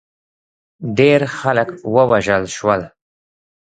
ډېر خلک ووژل شول.